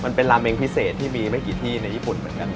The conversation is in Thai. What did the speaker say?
มันเป็นราเมงพิเศษที่มีไม่กี่ที่ในญี่ปุ่นเหมือนกัน